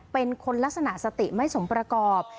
เป็นคนลักษณะสติไม่สมประกอบ